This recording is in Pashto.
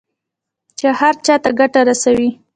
چې هر چا ته ګټه رسوي.